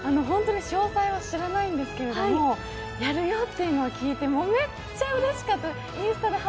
本当に詳細は知らないんですけれども、やるよというのを聞いて、めっちゃうれしかった。